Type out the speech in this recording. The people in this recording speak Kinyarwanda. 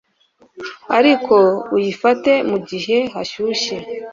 ariko uyifate mugihe hashyushye